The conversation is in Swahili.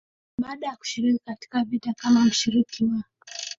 baada ya kushiriki katika vita kama mshiriki wa